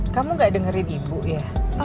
kamu gak dengerin ibu ya